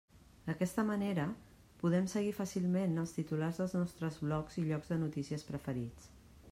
D'aquesta manera, podem seguir fàcilment els titulars dels nostres blocs i llocs de notícies preferits.